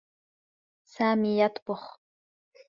سامي يطبخ.